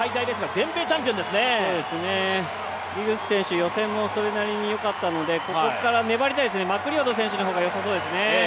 ディグス選手、予選もそれなりによかったので、ここから粘りたいですね、マクリオド選手の方がよさそうですね。